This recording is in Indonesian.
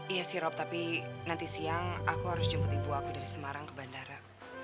iya si rop tapi nanti siang aku harus jemput ibu aku dari semarang ke bandara